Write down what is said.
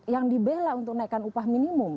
yang dibela untuk naikkan upah minimum